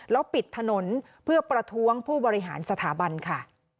แล้วปิดถนนเพื่อประท้วงผู้บริหารสถาบันค่ะ